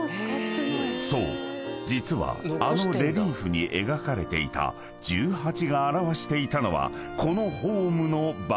実はあのレリーフに描かれていた「１８」が表していたのは］